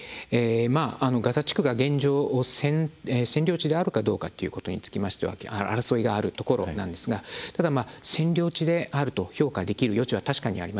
ガザ地区が現状占領地であるかどうかということにつきましては争いがあるところなんですがただ占領地であると評価できる余地は確かにあります。